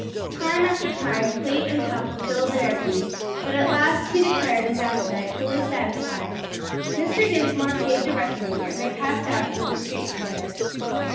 Time after time plate and cup were filled and emptied, but at last he declared his appetite fully satisfied. Mr. Dinsmore paid the reckoning, and they passed out into the street together.